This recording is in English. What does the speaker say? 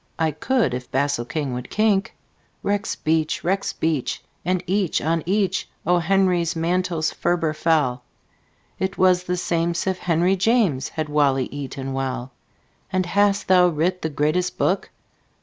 I could If basilking would kink." Rexbeach! rexbeach! and each on each O. Henry's mantles ferber fell. It was the same'sif henryjames Had wally eaton well. "And hast thou writ the greatest book?